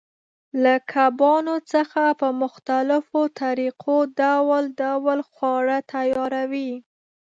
له کبانو څخه په مختلفو طریقو ډول ډول خواړه تیاروي.